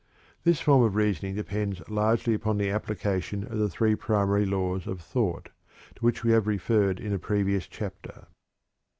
This form of reasoning depends largely upon the application of the Three Primary Laws of Thought, to which we have referred in a previous chapter.